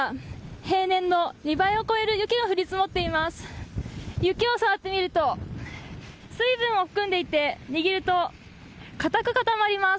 平年の２倍を超える雪が降り積もっています。